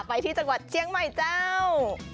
ไปที่จังหวัดเจียงใหม่เจ้า